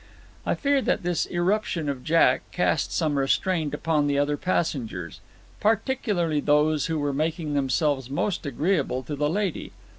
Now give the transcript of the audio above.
I fear that this irruption of Jack cast some restraint upon the other passengers particularly those who were making themselves most agreeable to the lady.